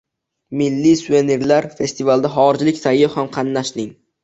“Milliy suvenirlar” festivalida xorijlik sayyoh ham qatnashding